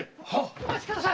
お待ちください！